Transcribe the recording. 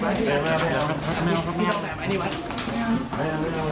ไม่เอาไม่เอา